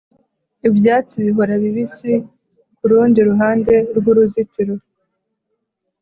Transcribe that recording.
ibyatsi bihora bibisi kurundi ruhande rwuruzitiro